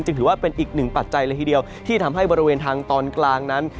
ถือว่าเป็นอีกหนึ่งปัจจัยเลยทีเดียวที่ทำให้บริเวณทางตอนกลางนั้น